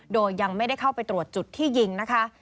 โดยยังไม่ได้เข้าไปตรวจจุดที่ยิงนะคะ